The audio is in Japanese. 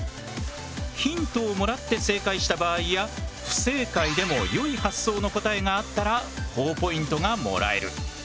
ヒントをもらって正解した場合や不正解でも良い発想の答えがあったらほぉポイントがもらえる。